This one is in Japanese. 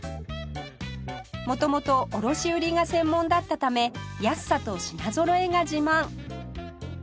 元々卸売りが専門だったため安さと品ぞろえが自慢